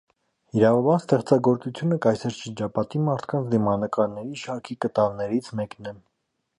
«Իրավաբան» ստեղծագործությունը կայսեր շրջապատի մարդկանց դիմանկարների շարքի կտավներից մեկն է։